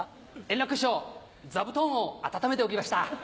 円楽師匠座布団を温めておきました。